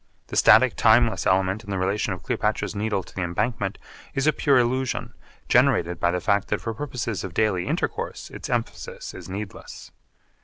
The static timeless element in the relation of Cleopatra's Needle to the Embankment is a pure illusion generated by the fact that for purposes of daily intercourse its emphasis is needless.